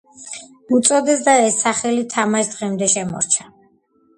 უწოდეს და ეს სახელი თამაშს დღემდე შემორჩა.